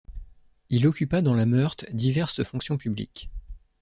Il occupa dans la Meurthe diverses fonctions publiques.